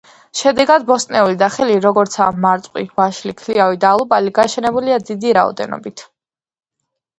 შედეგად, ბოსტნეული და ხილი, როგორიცაა მარწყვი, ვაშლი, ქლიავი და ალუბალი გაშენებულია დიდი რაოდენობით.